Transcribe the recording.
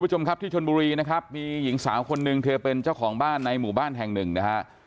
คุณผู้ชมครับที่ชนบุรีนะครับมีหญิงสาวคนหนึ่งเธอเป็นเจ้าของบ้านในหมู่บ้านแห่งหนึ่งนะฮะ